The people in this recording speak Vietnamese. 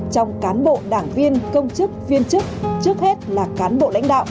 trong cán bộ đảng viên công chức viên chức trước hết là cán bộ lãnh đạo